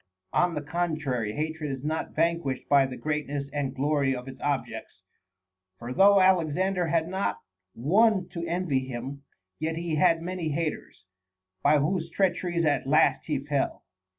On the contrary, hatred is not vanquished by the great ness and glory of its objects. For though Alexander had not one to envy him, yet he had many haters, by whose treacheries at last he fell.